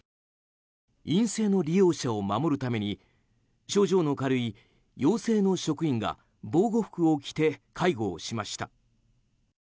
陰性の利用者を守るために症状の軽い陽性の職員が防護服を着て介護をしました。